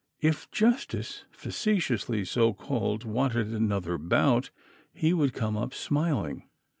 If justice, facetiously so called, wanted another bout, he would "come up smiling."